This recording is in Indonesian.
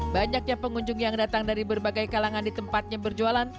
banyaknya pengunjung yang datang dari berbagai kalangan di tempatnya berjualan